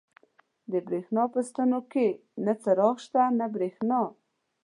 د برېښنا په ستنو کې نه څراغ شته، نه برېښنا.